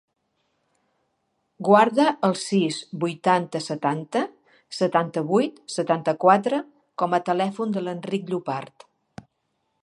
Guarda el sis, vuitanta, setanta, setanta-vuit, setanta-quatre com a telèfon de l'Enric Llopart.